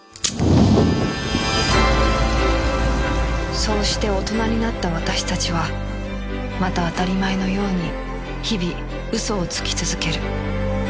そうして大人になった私たちはまた当たり前のように日々嘘をつき続ける